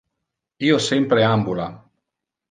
Io sempre ambula.